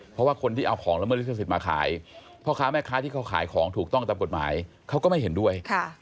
เพราะว่าคนที่เอาของละเมิดลิขสิทธิ์มาขายพ่อค้าแม่ค้าที่เขาขายของถูกต้องตามกฎหมายเขาก็ไม่เห็นด้วย